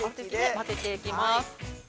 ◆混ぜていきます。